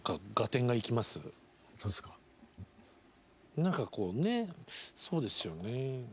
何かこうねそうですよね。